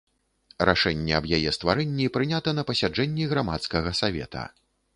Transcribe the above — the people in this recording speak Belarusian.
Рашэнне аб яе стварэнні прынята на пасяджэнні грамадскага савета.